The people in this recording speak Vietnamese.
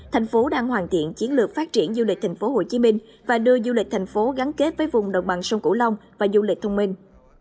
thành phố đang hoàn thiện chiến lược phát triển du lịch thành phố hồ chí minh và đưa du lịch thành phố gắn kết với vùng đồng bằng sông cửu long và du lịch thông minh